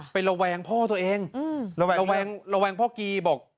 ไประวังพ่อตัวเองระวังพ่อกีบอก